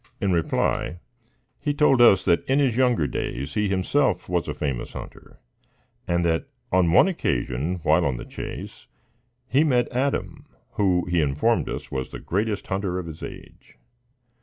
In reply, he told us that in his younger days he himself was a famous hunter; and that, on one occasion, while on the chase, he met Adam, who, he informed us, was the greatest hunter of his age.